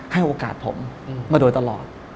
ให้โอกาสผมมาโดยตลอด